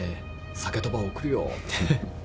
鮭とば送るよ」って。